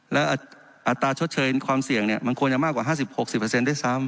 และอัตราชดเชยความเสี่ยงมันควรจะมากกว่า๕๐๖๐ด้วยซ้ำ